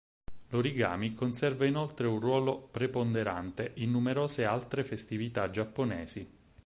L'origami conserva inoltre un ruolo preponderante in numerose altre festività giapponesi.